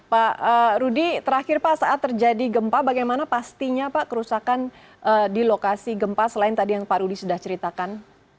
pak rudy terakhir pak saat terjadi gempa bagaimana pastinya pak kerusakan di lokasi gempa selain tadi yang pak rudi sudah ceritakan